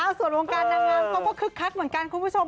ส่วนวงการนางงามเขาก็คึกคักเหมือนกันคุณผู้ชม